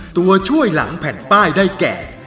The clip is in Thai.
ตัวช่วยหลังแผ่นป้ายได้แก่